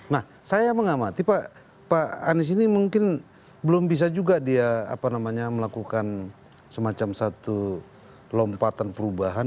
nah saya mengamati pak anies ini mungkin belum bisa juga dia melakukan semacam satu lompatan perubahan